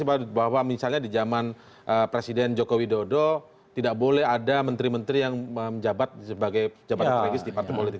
bisa menjadi sebuah legacy bahwa misalnya di zaman presiden joko widodo tidak boleh ada menteri menteri yang menjabat sebagai jabatan kritis di partai politik